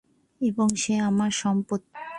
এবং সে আমার সম্পত্তি।